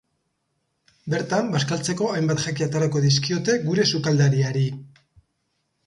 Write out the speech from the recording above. Bertan, bazkaltzeko hainbat jaki aterako dizkiote gure sukaldariari.